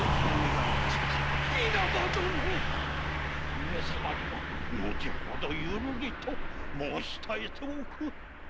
上様には後ほどゆるりと申し伝えておく。